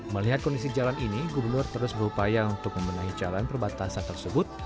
melihat kondisi jalan ini gubernur terus berupaya untuk membenahi jalan perbatasan tersebut